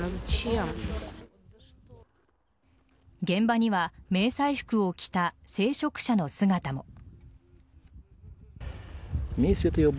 現場には迷彩服を着た聖職者の姿も。